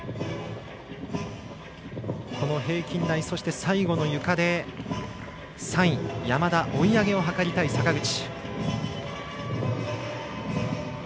この平均台、最後のゆかで３位、山田追い上げを図りたい坂口。